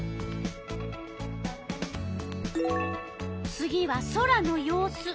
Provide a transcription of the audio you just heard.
次は空の様子。